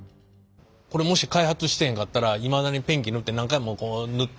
これもし開発してへんかったらいまだにペンキ塗って何回もこう塗って。